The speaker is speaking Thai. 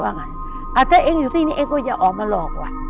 ว่าไงอ่าถ้าเองอยู่ที่นี่เองก็อย่าออกมาหลอกว่ะ